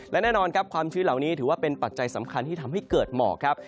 และแน่นอนครับความชื้นเหล่านี้ถือว่าเป็นปัจจัยสำคัญที่ทำให้เกิดหมอกครับ